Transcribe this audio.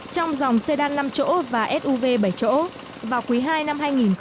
trong dòng xe đan năm chỗ và suv bảy chỗ vào quý hai năm hai nghìn một mươi chín